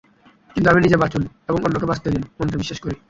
কিন্তু আমি নিজে বাঁচুন এবং অন্যকে বাঁচতে দিন মন্ত্রে বিশ্বাস করি।